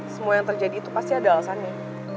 semua yang terjadi itu pasti ada alasannya